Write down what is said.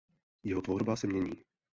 Jeho tvorba se mění.